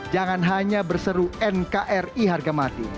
jangan hanya berseru nkri harga mati